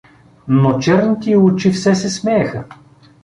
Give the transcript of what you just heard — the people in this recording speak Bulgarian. Но черните и очи все се смееха.